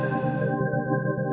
tak ada bos